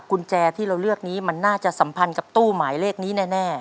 กุญแจที่เราเลือกนี้มันน่าจะสัมพันธ์กับตู้หมายเลขนี้แน่